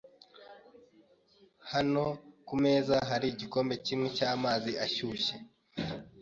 Hano kumeza hari igikombe kimwe cyamazi ashyushye.